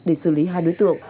để xử lý hai đối tượng